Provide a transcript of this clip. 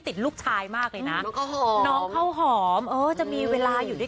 ปัจจุบันแรกลูกก็อยากไปโรงเรียนมากเลย